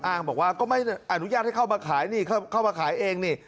บอกว่าก็ไม่อนุญาตให้เข้ามาขายนี่เข้ามาขายเองนี่